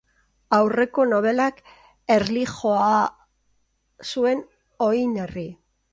Aurreko nobelak erlijioa zuen oinarri.